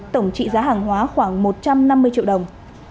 tổng trị giá hàng hóa khoảng một trăm năm mươi triệu đồng